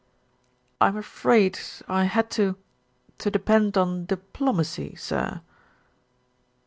"I'm afraid, I had to to depend on diplomacy, sir."